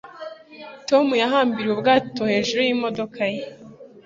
Tom yahambiriye ubwato hejuru yimodoka ye